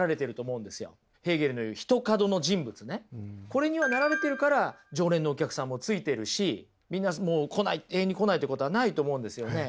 これにはなられてるから常連のお客さんもついてるしみんな来ない永遠に来ないということはないと思うんですよね。